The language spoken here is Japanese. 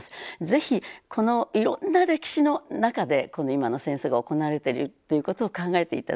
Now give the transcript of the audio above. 是非このいろんな歴史の中でこの今の戦争が行われているっていうことを考えていき